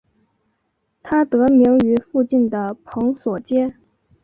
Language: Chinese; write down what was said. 它得名于附近的蓬索街。